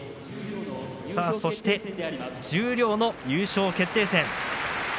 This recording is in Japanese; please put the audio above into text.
そして十両の優勝決定戦です。